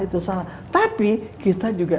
itu salah tapi kita juga